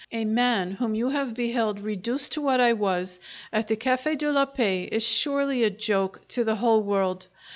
A man whom you have beheld reduced to what I was, at the Cafe' de la Paix, is surely a joke to the whole world!